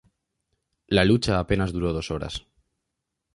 La lucha apenas duró dos horas.